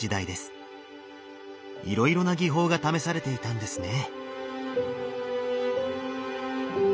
いろいろな技法が試されていたんですね。